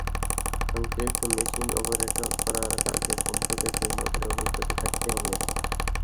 সংশ্লিষ্ট machine operate করার কাজে কমপক্ষে তিন বছরের অভিজ্ঞতা থাকতে হবে।